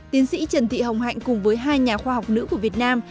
tiến sĩ trần thị hồng hạnh cùng với hai nhà khoa học nữ của việt nam